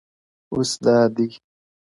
اوس دادی.